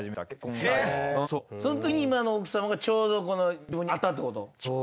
その時に今の奥様がちょうど自分に合ったってこと？